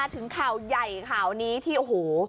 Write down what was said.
ถึงข่าวใหญ่ข่าวนี้ที่โอ้โห